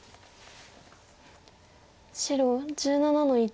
白１７の一。